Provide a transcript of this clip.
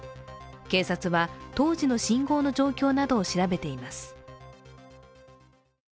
警察は当時の信号の状況などを調べています。